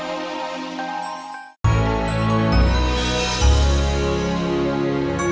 emang dia daddy